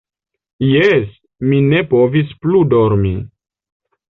Jes, mi ne povis plu dormi.